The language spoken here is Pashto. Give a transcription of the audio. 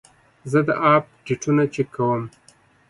زه د اپ ډیټونه چک کوم.